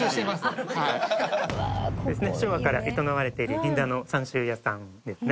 「昭和から営まれている銀座の三州屋さんですね」